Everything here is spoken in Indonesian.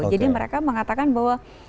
jadi mereka mengatakan bahwa